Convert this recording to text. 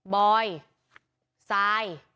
บอยซาย